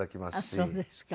あっそうですか。